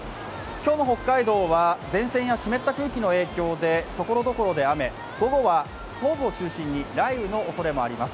今日の北海道は前線や湿った空気の影響で所々で雨、午後は東部を中心に雷雨のおそれもあります。